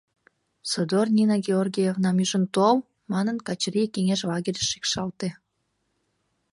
— Содор Нина Георгиевнам ӱжын тол! — манын, Качырий кеҥеж лагерьыш шикшалте.